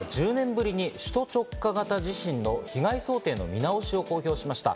昨日、東京都は１０年ぶりに首都直下型地震の被害想定の見直しを公表しました。